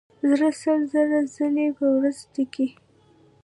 زړه سل زره ځلې په ورځ ټکي.